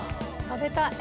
食べたい。